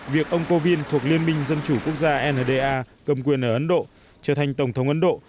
việc ông povin thuộc liên minh dân chủ quốc gia nda cầm quyền ở ấn độ trở thành tổng thống ấn độ